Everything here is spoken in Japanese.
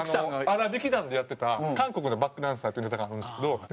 『あらびき団』でやってた「韓国のバックダンサー」っていうネタがあるんですけど。